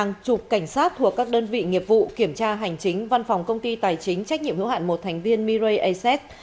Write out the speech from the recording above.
trước đó ngày bốn tháng một mươi một hàng chục cảnh sát thuộc các đơn vị nghiệp vụ kiểm tra hành chính văn phòng công ty tài chính trách nhiệm hiểu hạn một thành viên mire aces